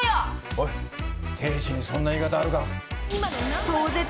おい亭主にそんな言い方あるか。